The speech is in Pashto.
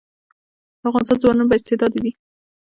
د افغانستان ځوانان با استعداده دي